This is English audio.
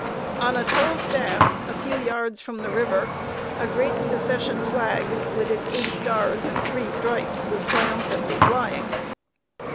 On a tall staff, a few yards from the river, a great Secession flag, with its eight stars and three stripes, was triumphantly flying.